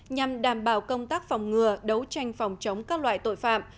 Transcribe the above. nhằm đảm bảo công tác phòng ngừa đấu tranh phòng chống các loại tội phạm